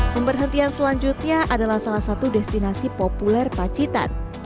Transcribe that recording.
pemberhentian selanjutnya adalah salah satu destinasi populer pacitan